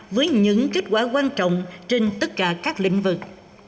với những kết quả quan trọng trên tất cả các lĩnh vực